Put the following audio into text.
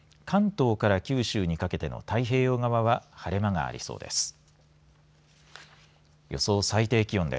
関東から九州にかけての太平洋側は晴れ間がありそうです。